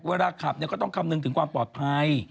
เวลาขับก็ต้องคำนึงถึงความปลอดภัย